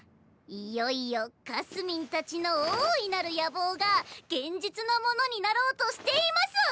いよいよかすみんたちの大いなる野望が現実のものになろうとしています！